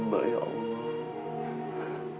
hamba bisa membawa ke rumah sakit